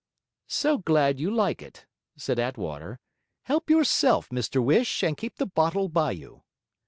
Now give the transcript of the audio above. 'So glad you like it,' said Attwater. 'Help yourself, Mr Whish, and keep the bottle by you.'